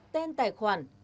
tên tài khoản